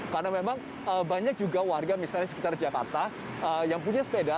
karena memang banyak juga warga misalnya di sekitar jakarta yang punya sepeda